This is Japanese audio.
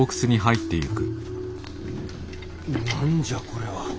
何じゃこれは。